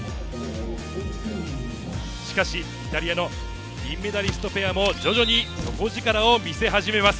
しかし、イタリアの銀メダリストペアも徐々に底力を見せ始めます。